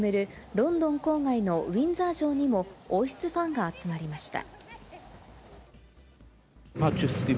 ロンドン郊外のウィンザー城にも王室ファンが集まりました。